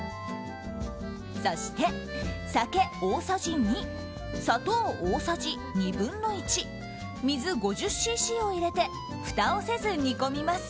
そして、酒大さじ２砂糖大さじ２分の１水５０ｃｃを入れてふたをせず煮込みます。